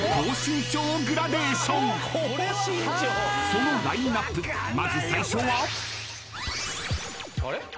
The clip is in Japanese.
［そのラインアップまず最初は？］